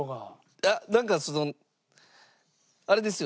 いやなんかそのあれですよ。